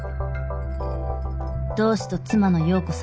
同氏と妻の葉子さん